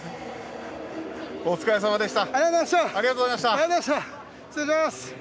お疲れさまでした。